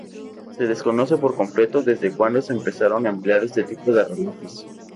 Se desconoce por completo desde cuando se empezaron a emplear este tipo de relojes.